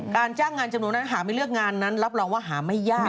การจ้างงานจำนวนนั้นหาไม่เลือกงานนั้นรับรองว่าหาไม่ยาก